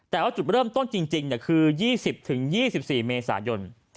แต่ว่าจุดเริ่มต้นจริงคือ๒๐๒๔เมษายน